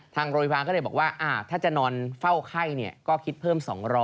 ทางโรงพยาบาลก็เลยบอกว่าถ้าจะนอนเฝ้าไข้ก็คิดเพิ่ม๒๐๐